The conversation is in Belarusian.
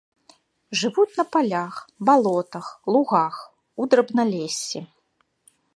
Жывуць на палях, балотах, лугах, у драбналессі.